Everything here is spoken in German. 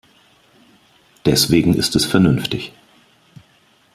Deswegen ist es vernünftig.